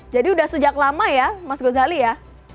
jadi sudah sejak lama ya mas gozali ya